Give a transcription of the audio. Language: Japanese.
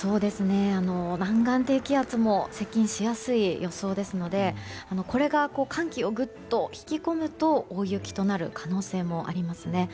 南岸低気圧も接近しやすい予想ですのでこれが寒気をぐっと引き込むと大雪となる可能性もありますね。